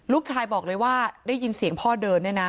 ลูกชายบอกเลยว่าได้ยินเสียงพ่อเดินเนี่ยนะ